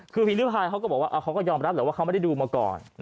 คือพิมริพายเขาก็บอกว่าเขาก็ยอมรับแหละว่าเขาไม่ได้ดูมาก่อน